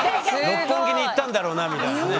六本木に行ったんだろうなみたいなね。